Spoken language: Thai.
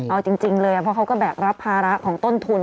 เอาจริงเลยเพราะเขาก็แบกรับภาระของต้นทุน